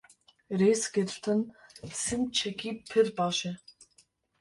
Rêzgirtin, sincekî pir baş e.